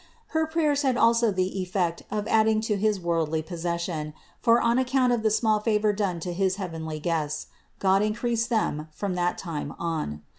Her prayers had also the effect of adding to his worldly possession, for on account of the small favor done to his heavenly guests, God in creased them from that time on.